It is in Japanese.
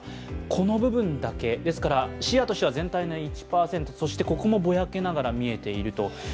この部分だけ、ですから視野としては全体の１％、そしてここもぼやけながら見えている。